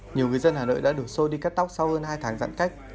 nhiều người dân hà nội đã được xôi đi cắt tóc sau hơn hai tháng giãn cách